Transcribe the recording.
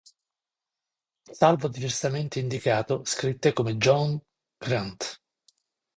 Salvo diversamente indicato scritte come John Grant.